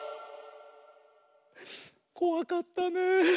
こわかったねえ。